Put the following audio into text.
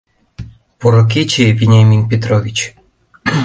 — Поро кече, Вениамин Петрович!